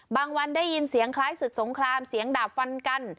วันได้ยินเสียงคล้ายศึกสงครามเสียงดาบฟันกัน